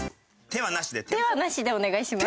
手はなしでお願いします。